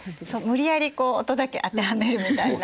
無理やり音だけ当てはめるみたいな。